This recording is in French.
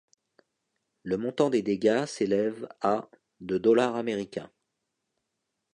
Le montant des dégâts s'élève à de dollars américains.